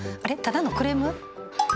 ただのクレーム？